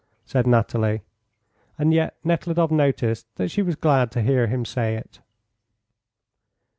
said Nathalie. And yet Nekhludoff noticed that she was glad to hear him say it.